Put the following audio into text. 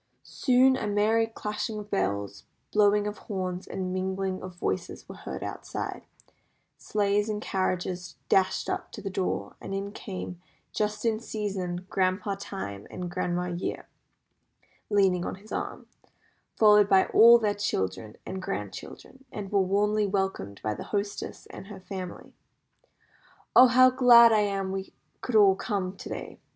Soon a merry clashing of bells, blowing of horns, and mingling of voices were heard outside, sleighs and carriages dashed up to the door, and in came, "just in season," Grandpa Time, with Grandma Year leaning on his arm, followed by all their children and grandchildren, and were warmly welcomed by the hostess and her family. "Oh, how glad I am we could all come to day!"